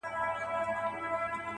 پر وظیفه عسکر ولاړ دی تلاوت کوي,